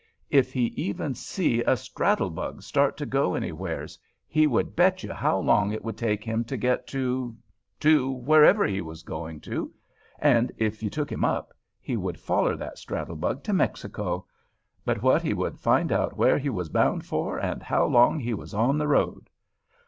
If he even see a straddle bug start to go anywheres, he would bet you how long it would take him to get to—to wherever he was going to, and if you took him up, he would foller that straddle bug to Mexico but what he would find out where he was bound for and how long he was on the road.